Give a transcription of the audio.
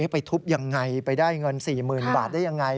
ไปทุบยังไงไปได้เงิน๔๐๐๐บาทได้ยังไง